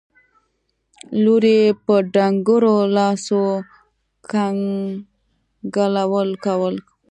لور يې په ډنګرو لاسو کنګالول کول.